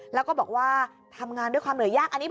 และบอกว่าทำงานด้วยความเหนือยาก